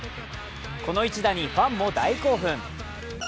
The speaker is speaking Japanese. この一打にファンも大興奮。